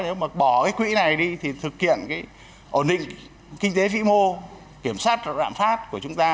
nếu mà bỏ cái quỹ này đi thì thực hiện cái ổn định kinh tế vĩ mô kiểm soát rạm phát của chúng ta